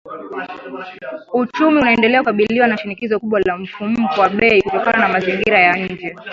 Uchumi unaendelea kukabiliwa na shinikizo kubwa la mfumuko wa bei kutokana na mazingira ya nje